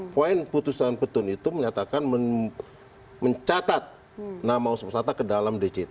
poin putusan petun itu menyatakan mencatat nama osmo wisata ke dalam dct